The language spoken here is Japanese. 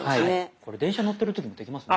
これ電車に乗ってる時もできますね。